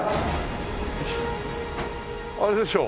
あれでしょ。